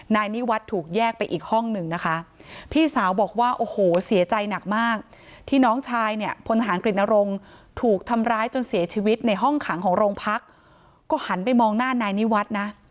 นายนิวัฒน์ถูกแยกไปอีกห้องหนึ่งนะคะพี่สาวบอกว่าโอ้โหเสียใจหนักมากที่น้องชายเนี่ยพลทหารกฤตนรงค์ถูกทำร้ายจนเสียชีวิตในห้องขังของโรงพักก็หันไปมองหน้านายนิวัฒน์นะ